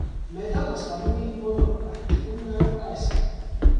Մեդալը ստանում էին բոլորը, այդ թվում նաև կայսրը։